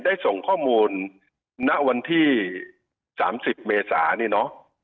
ได้ส่งข้อมูลณวันที่๓๐เมษานี่เนาะ